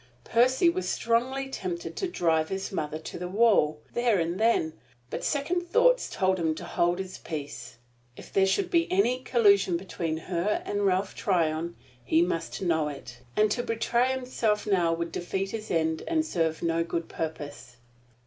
Percy was strongly tempted to drive his mother to the wall, then and there; but second thoughts told him to hold his peace. If there should be any collusion between her and Ralph Tryon, he must know it; and to betray himself now would defeat his end and serve no good purpose.